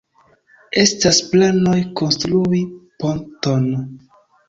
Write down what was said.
Estas planoj konstrui ponton.